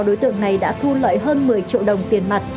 đối tượng này đã thu lợi hơn một mươi triệu đồng tiền mặt